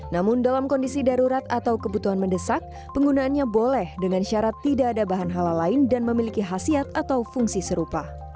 namun dalam kondisi darurat atau kebutuhan mendesak penggunaannya boleh dengan syarat tidak ada bahan halal lain dan memiliki khasiat atau fungsi serupa